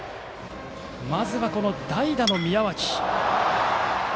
まずは、代打の宮脇。